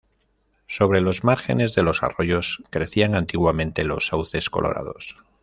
Sobre los márgenes de los arroyos crecían antiguamente los sauces colorados.